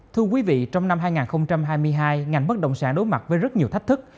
thưa quý vị trong năm hai nghìn hai mươi hai ngành bất động sản đối mặt với rất nhiều thách thức